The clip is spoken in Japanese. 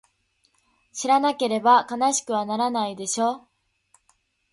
知らなければ悲しくはならないでしょ？